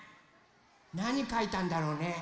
なにかいたんだろうね。